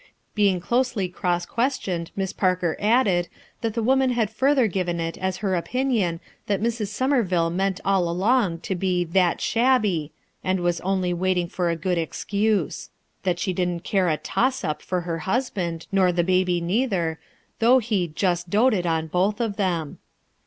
Being closely cross questioned Miss Parker added, that the woman had further given it as her opinion that Mrs. Somerville meant all along to be "that shabby," and was only wait ing for a good excuse; that she didn't care a "toss up" for her husband, nor the baby neither, though he "just doted " on both of them.